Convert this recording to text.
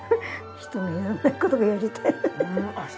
人がやらない事をやりたい。